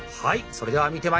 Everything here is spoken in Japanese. はい。